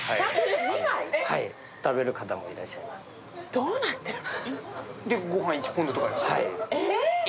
どうなってるの？